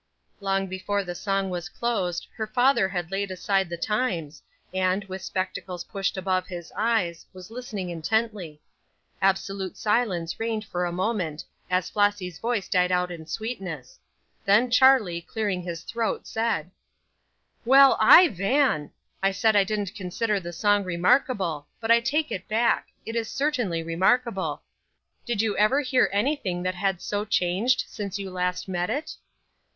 Long before the song was closed her father had laid aside the Times, and, with spectacles pushed above his eyes, was listening intently. Absolute silence reigned for a moment, as Flossy's voice died out in sweetness; then Charlie, clearing his throat said: "Well, I van! I said I didn't consider the song remarkable. But I take it back; it is certainly remarkable. Did you ever hear anything that had so changed since you last met it?"